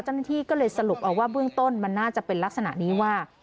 เจ้าหน้าที่ก็เลยสรุปเอาว่าเบื้องต้นมันน่าจะเป็นลักษณะนี้ว่า